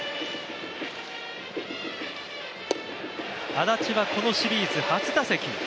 安達はこのシリーズ初打席。